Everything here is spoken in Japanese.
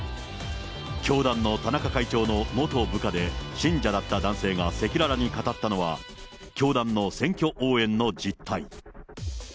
教団の田中会長の元部下で、信者だった男性が赤裸々に語ったのは、教団の選挙応援の実態。